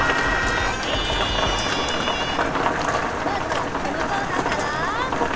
まずはこのコーナーから。